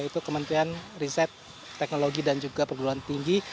yaitu kementerian riset teknologi dan juga perguruan tinggi